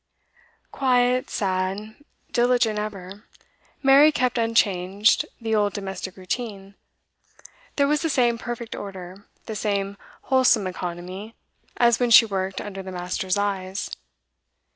Quiet, sad, diligent ever, Mary kept unchanged the old domestic routine. There was the same perfect order, the same wholesome economy, as when she worked under the master's eyes.